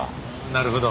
なるほど。